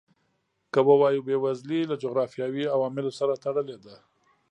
که ووایو بېوزلي له جغرافیوي عواملو سره تړلې ده.